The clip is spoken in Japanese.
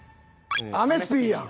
アメスピーやん！